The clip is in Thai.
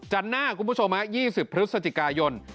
จันทร์หน้าครับคุณผู้ชม๒๐พฤศจิกายน